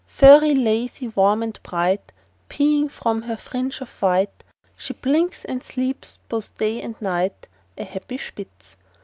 Furry, lazy, warm and bright, Peeing from her fringe of white, She blinks and sleeps both day and night, A happy Spitz!